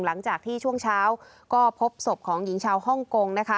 หลังจากที่ช่วงเช้าก็พบศพของหญิงชาวฮ่องกงนะคะ